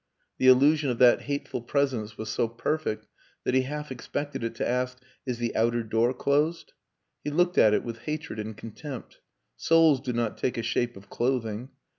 The illusion of that hateful presence was so perfect that he half expected it to ask, "Is the outer door closed?" He looked at it with hatred and contempt. Souls do not take a shape of clothing.